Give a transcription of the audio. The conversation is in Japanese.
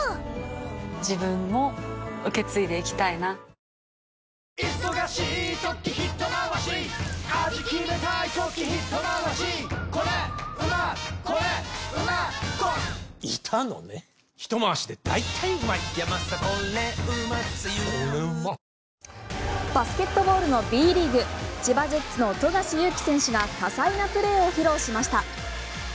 ２人とも気をつけてね家族で話そう帯状疱疹バスケットボールのＢリーグ。千葉ジェッツの富樫勇樹選手が多彩なプレーを披露しました。